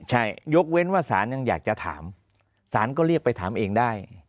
ใช่ยกเว้นว่าสารยังอยากจะถามสารก็เรียกไปถามเองได้